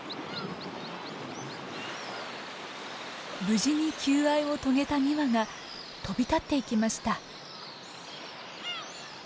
無事に求愛を遂げた２羽が飛び立っていきました。